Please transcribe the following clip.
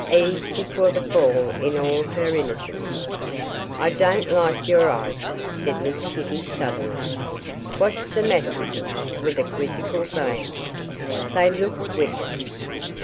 Eve before the fall in all her innocence.' 'I don't like your eyes,' said Miss Kitty, suddenly. 'What's the matter with them?' with a quizzical glance. 'They look wicked.